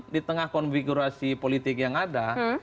di tengah konfigurasi politik yang ada